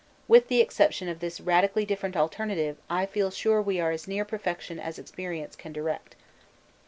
With the exception of this radically different alternative, I feel sure we are as near perfection as experience can direct.